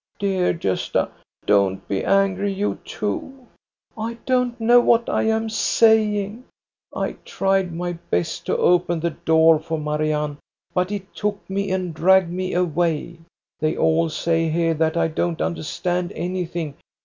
" Dear Gosta, don't be angry, you too. I don't know what I am saying. I tried my best to open the door for Marianne, but he took me and dragged me away. They all say here that I don't understand anything.